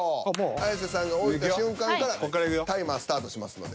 綾瀬さんが置いた瞬間からタイマースタートしますので。